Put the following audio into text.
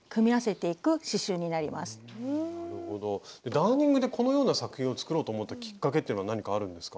ダーニングでこのような作品を作ろうと思ったきっかけっていうのは何かあるんですか？